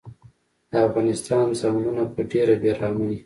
د افغانستان ځنګلونه په ډیره بیرحمۍ